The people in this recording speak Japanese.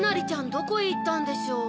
どこへいったんでしょう？